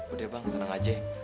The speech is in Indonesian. udah bang tenang aja